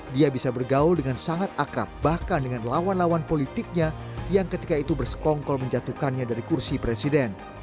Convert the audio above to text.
dia bisa bergaul dengan sangat akrab bahkan dengan lawan lawan politiknya yang ketika itu bersekongkol menjatuhkannya dari kursi presiden